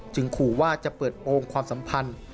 ขู่ว่าจะเปิดโปรงความสัมพันธ์